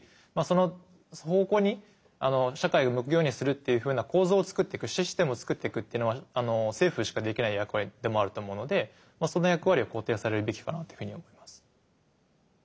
その方向に社会が向くようにするっていうふうな構造をつくっていくシステムをつくっていくっていうのは政府しかできない役割でもあると思うのでその役割を肯定されるべきかなというふうに思います。